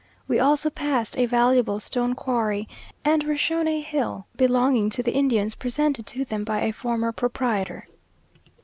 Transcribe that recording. We also passed a valuable stone quarry; and were shown a hill belonging to the Indians, presented to them by a former proprietor.